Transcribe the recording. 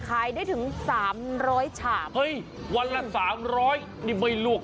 ขายได้ถึงสามร้อยฉาบเฮ้ยวันละสามร้อยนี่ไม่ลวก